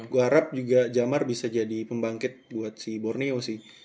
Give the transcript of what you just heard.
gue harap juga jamar bisa jadi pembangkit buat si borneo sih